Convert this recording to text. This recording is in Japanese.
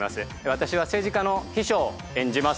私は政治家の秘書を演じます。